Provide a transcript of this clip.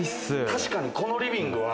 確かにこのリビングは。